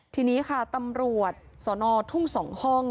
ทีนี้ค่ะตำรวจสนทุ่ง๒ห้อง